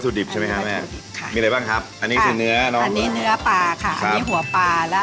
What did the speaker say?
แต่จริงไม่แห้งนะคะ